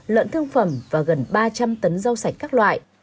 lợn thương phẩm và gần ba trăm linh tấn rau sạch các loại